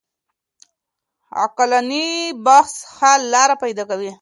عقلاني بحث حل لاره پيدا کوي.